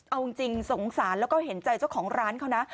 เอาจริงสงสารแล้วก็เห็นใจเจ้าของร้านเขานะ